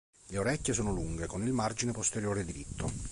Le orecchie sono lunghe, con il margine posteriore diritto.